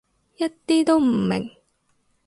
一啲都唔明